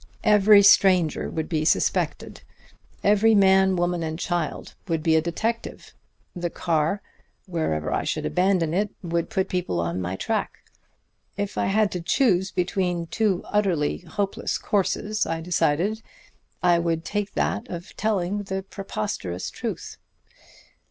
Every stranger would be suspected; every man, woman and child would be a detective. The car, wherever I should abandon it, would put people on my track. If I had to choose between two utterly hopeless courses, I decided, I would take that of telling the preposterous truth.